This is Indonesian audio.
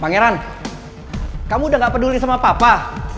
pangeran kamu udah gak peduli sama papa